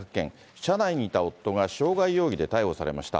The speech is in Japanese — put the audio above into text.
車内にいた夫が傷害容疑で逮捕されました。